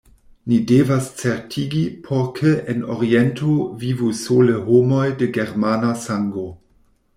Ni devas certigi, por ke en Oriento vivu sole homoj de germana sango.